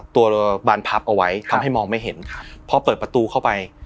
ตัวบานพับเอาไว้ทำให้มองไม่เห็นครับพอเปิดประตูเข้าไป